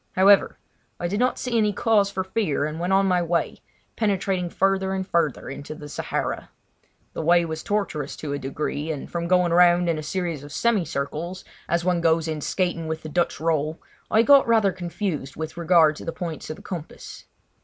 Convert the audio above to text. However, I did not see any cause for fear, and went on my way, penetrating further and further into the Sahara. The way was tortuous to a degree, and from going round in a series of semi circles, as one goes in skating with the Dutch roll, I got rather confused with regard to the points of the compass.